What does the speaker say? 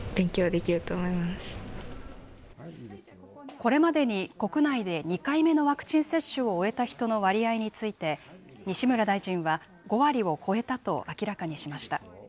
これまでに国内で２回目のワクチン接種を終えた人の割合について、西村大臣は５割を超えたと明らかにしました。